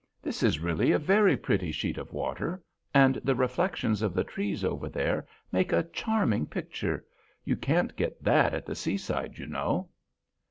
This is really a very pretty sheet of water, and the reflections of the trees over there make a charming picture; you can't get that at the seaside, you know."